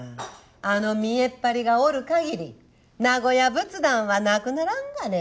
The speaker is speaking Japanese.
あの見えっ張りがおるかぎり名古屋仏壇はなくならんがね。